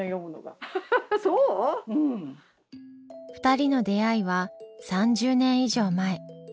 ２人の出会いは３０年以上前。